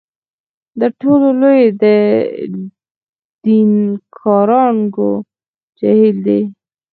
د ټولو لوی یې د نیکاراګو جهیل دی.